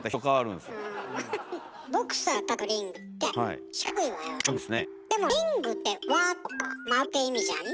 でもリングって「輪」とか「丸」って意味じゃない？